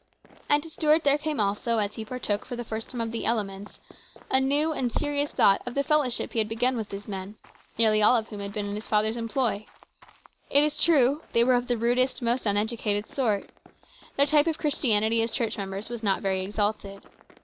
And to Stuart there came also, as he partook for the first time of the elements, a new and serious thought of the fellowship he had begun with these men, nearly all of whom had been in his father's employ. It was true they were of the rudest, most uneducated sort. Their type of Christianity as church members was not very exalted.